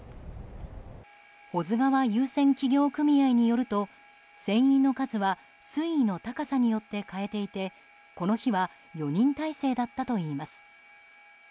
保津川遊船企業組合によると船員の数は水位の高さによって変えていてこの日は４人態勢だったといいます。